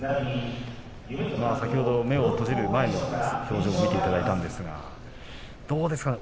先ほど、目を閉じる前の表情を見ていただきましたがどうですかね。